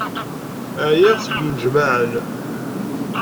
Ɛyiɣ seg yinejmaɛen.